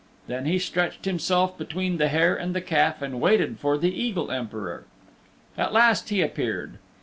Then he stretched himself between the hare and the calf and waited for the Eagle Emperor. At last he appeared.